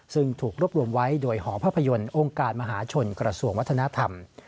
ซึ่งถูกรวบรวมไว้โดยหอภาพยนตร์องค์การมหาชนกระทรวงวัฒนธรรม